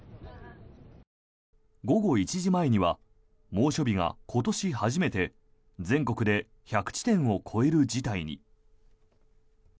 午後１時前には猛暑日が今年初めて全国で１００地点を超える事態に。